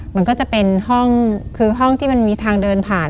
มันก็จะเป็นห้องคือห้องที่มันมีทางเดินผ่าน